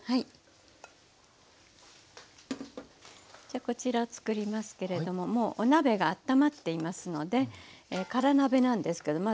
じゃこちらを作りますけれどももうお鍋があったまっていますので空鍋なんですけどまず熱くしてここに油を入れます。